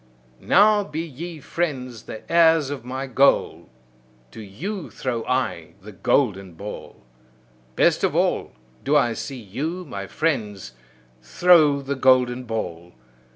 Now be ye friends the heirs of my goal; to you throw I the golden ball. Best of all, do I see you, my friends, throw the golden ball!